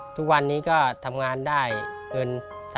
ทุกวันนี้ก็ทำงานได้เงิน